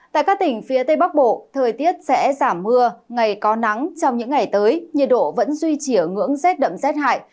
tại các tỉnh phía tây bắc bộ thời tiết sẽ giảm mưa ngày có nắng trong những ngày tới nhiệt độ vẫn duy trì ở ngưỡng rét đậm rét hại